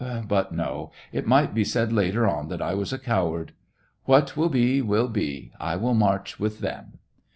... But no, it might be said later on that I was a coward. What will be will be ; I will march with them."